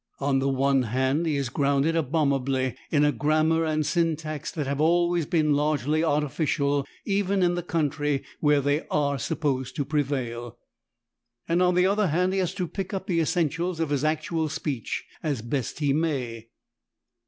On the one hand, he is grounded abominably in a grammar and syntax that have always been largely artificial, even in the country where they are supposed to prevail, and on the other hand he has to pick up the essentials of his actual speech as best he may.